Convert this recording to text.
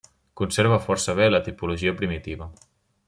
Conserva força bé la tipologia primitiva.